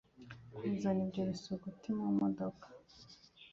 kuzana ibyo bisuguti mu modoka